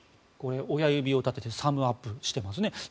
親指を立ててサムアップしていますね。